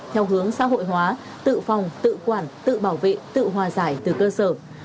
theo hướng xã hội hóa tự phòng tự quản tự bảo vệ tự hòa giải từ cơ sở